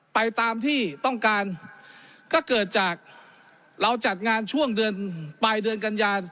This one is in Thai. ไปตามที่ต้องการก็เกิดจากเราจัดงานช่วงเดือนปลายเดือนกันยา